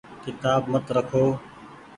ڪيتآب مت رکو۔